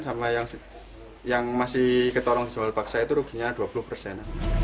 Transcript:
sama yang masih ketolong dijual paksa itu ruginya dua puluh persen